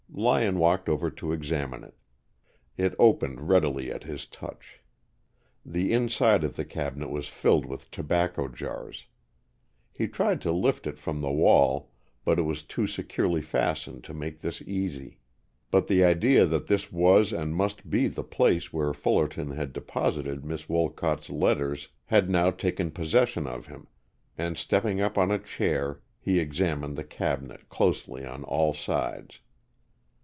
Lyon walked over to examine it. It opened readily at his touch. The inside of the cabinet was filled with tobacco jars. He tried to lift it from the wall, but it was too securely fastened to make this easy. But the idea that this was and must be the place where Fullerton had deposited Miss Wolcott's letters had now taken possession of him, and stepping up on a chair he examined the cabinet closely on all sides.